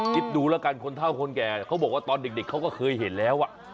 คิดดูแล้วกันคนเท่าคนแก่เขาบอกว่าตอนเด็กเขาก็เคยเห็นแล้ว